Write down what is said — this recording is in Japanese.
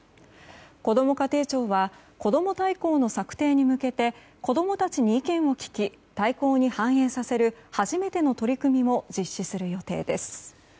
こども家庭庁はこども大綱の策定に向けて子供たちに意見を聞き大綱に反映させる初めての取り組みも実施する予定です。